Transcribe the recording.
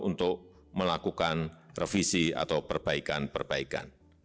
untuk melakukan revisi atau perbaikan perbaikan